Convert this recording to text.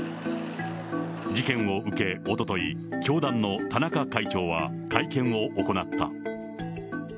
事件を受けおととい、教団の田中会長は会見を行った。